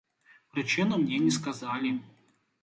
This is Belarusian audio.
Прычыну мне не сказалі.